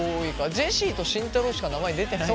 ジェシーと慎太郎しか名前出てない。